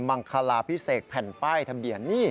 มังคลาพิเศษแผ่นป้ายทะเบียนนี่